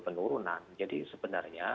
penurunan jadi sebenarnya